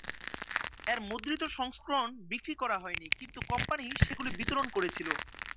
এর মুদ্রিত সংস্করণ বিক্রি করা হয়নি, কিন্তু কোম্পানি সেগুলি বিতরণ করেছিল।